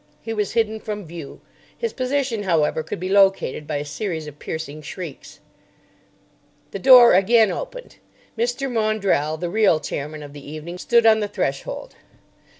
He was hidden from view. His position, however, could be located by a series of piercing shrieks. The door again opened. Mr. Maundrell, the real chairman of the evening, stood on the threshold.